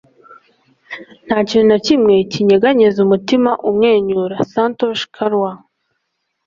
nta kintu na kimwe kinyeganyeza umutima umwenyura. - santosh kalwar